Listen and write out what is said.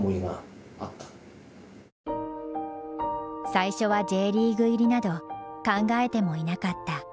最初はＪリーグ入りなど考えてもいなかった。